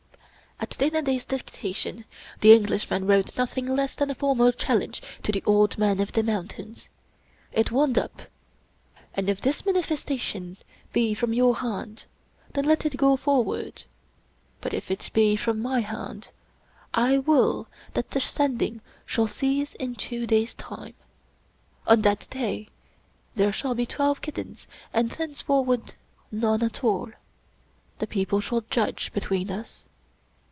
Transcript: At Dana Da's dictation the Englishman wrote nothing less than a formal challenge to the Old Man of the Moun tains. It wound up :" And if this manifestation be from your hand, then let it go forward; but if it be from my hand, I will that the Sending shall cease in two days* time. On that day there shall be twelve kittens and thencefor ward none at all. The people shall judge between us."